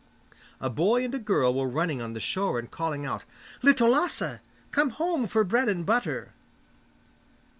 A boy and a girl were running on the shore and calling out, 'Little Lasse! Come home for bread and butter!